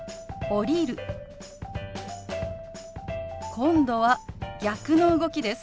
今度は逆の動きです。